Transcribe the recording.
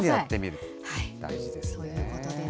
ということです。